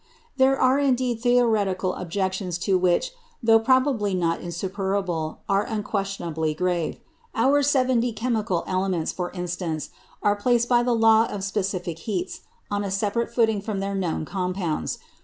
There are indeed theoretical objections to it which, though probably not insuperable, are unquestionably grave. Our seventy chemical "elements," for instance, are placed by the law of specific heats on a separate footing from their known compounds.